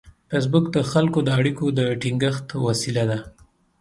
فېسبوک د خلکو د اړیکو د ټینګښت وسیله ده